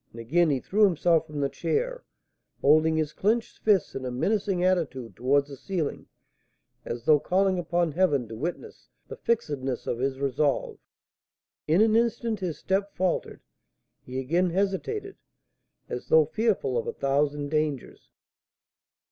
And again he threw himself from the chair, holding his clenched fists in a menacing attitude towards the ceiling, as though calling upon Heaven to witness the fixedness of his resolve. In an instant his step faltered; he again hesitated, as though fearful of a thousand dangers.